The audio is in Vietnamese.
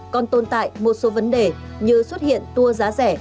còn tồn tại một số vấn đề như xuất hiện tour giá rẻ